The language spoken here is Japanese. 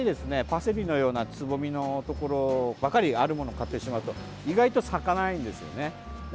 パセリのようなつぼみのところばかりあるものを買ってしまうと意外と咲かないんですよね。